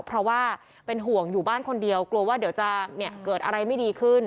เพราะว่าเป็นห่วงอยู่บ้านคนเดียวกลัวว่าเดี๋ยวจะเกิดอะไรไม่ดีขึ้น